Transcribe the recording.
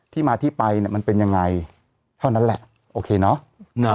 ที่มาที่ไปมันเป็นอย่างไรเท่านั้นแหละโอเคเนอะ